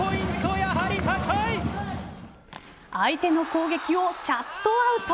相手の攻撃をシャットアウト。